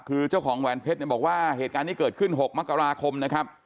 คือเจ้าของแหวนเพชรเนี่ยบอกว่าเหตุการณ์นี้เกิดขึ้น๖มกราคมนะครับ